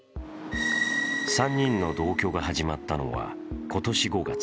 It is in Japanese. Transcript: ３人の同居が始まったのは今年５月。